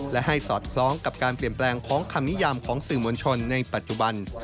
และให้สอดคล้องกับการเปลี่ยนแปลงของคำนิยามของสื่อมวลชนในปัจจุบัน